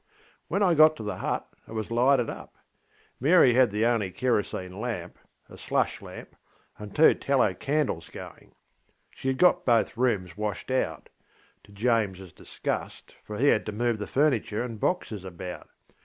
When I got to the hut it was lighted up. Mary had the only kerosene lamp, a slush lamp, and two tallow candles going. She had got both rooms washed outŌĆöto JamesŌĆÖs disgust, for he had to move the furniture and boxes about.